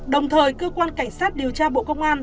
đồng thời cơ quan cảnh sát điều tra bộ công an